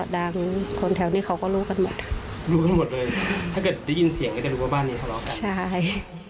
คนแถวนี้เขาก็รู้กันหมดรู้กันหมดเลยถ้าเกิดได้ยินเสียงก็จะรู้ว่าบ้านนี้ทะเลาะกันใช่